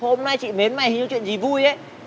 hôm nay chị mến mày hình như chuyện gì vui ấy